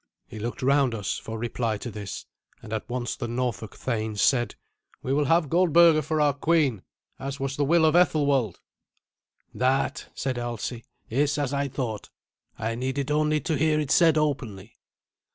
He looked round us for reply to this, and at once the Norfolk thanes said, "We will have Goldberga for our queen, as was the will of Ethelwald." "That," said Alsi, "is as I thought. I needed only to hear it said openly.